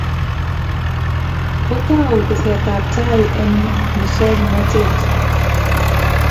kotau teset tab tai eng musongnotet